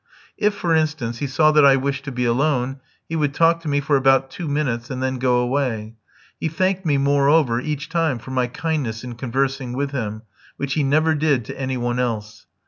If, for instance, he saw that I wished to be alone, he would talk to me for about two minutes and then go away. He thanked me, moreover, each time for my kindness in conversing with him, which he never did to any one else.